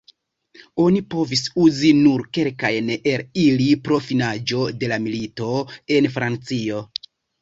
Oni povis uzi nur kelkajn el ili pro finiĝo de la milito, en Francio.